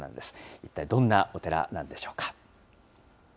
一体どんなお寺なんでしょうか。